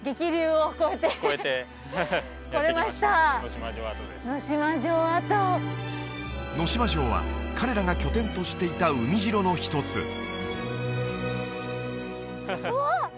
能島城跡能島城は彼らが拠点としていた海城の一つうわあ！